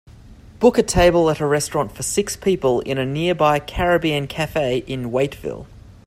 book a table at a restaurant for six people in a nearby caribbean cafe in Waiteville